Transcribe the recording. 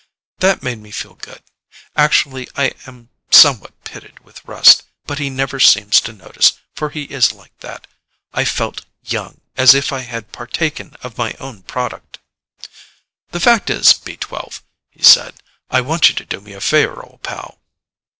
That made me feel good. Actually, I am somewhat pitted with rust, but he never seems to notice, for he is like that. I felt young, as if I had partaken of my own product. "The fact is, B 12," he said, "I want you to do me a favor, old pal."